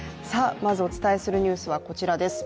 まずお伝えするニュースはこちらです。